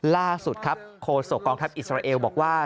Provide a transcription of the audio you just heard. ล่าสุดครับโคศกองทัพอิสราเอลบอกว่า